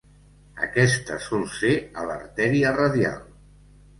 Aquesta sol ser a l'artèria radial.